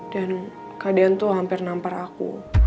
dan kak deyan tuh hampir nampar aku